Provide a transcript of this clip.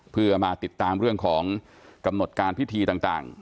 เพื่อมาติดตามเรื่องของกำหนดการพิธีต่าง